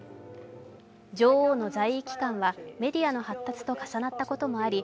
女王の在位期間はメディアの発達と重なったこともあり